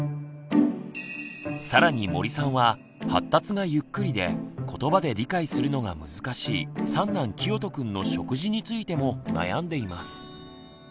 更に森さんは発達がゆっくりでことばで理解するのが難しい三男きよとくんの食事についても悩んでいます。